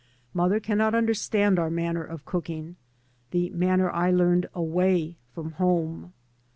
Mother cannot understand our manner of cooking, the manner I learned away from home.